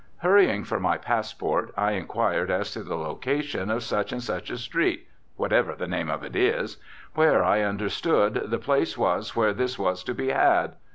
Hurrying for my passport, I inquired as to the location of such and such a street whatever the name of it is where, I understood, the place was where this was to be had.